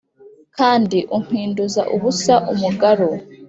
Kandi umpinduza ubusa umugaru